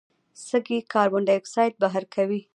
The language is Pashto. سږي کاربن ډای اکساید بهر کوي.